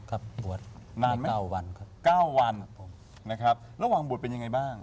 ครับบวชในก้าววันครับหลีกว่างบวชเป็นยังไงบ้าง